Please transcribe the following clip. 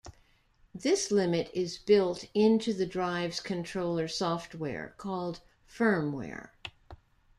This limit is built into the drive's controller software, called firmware.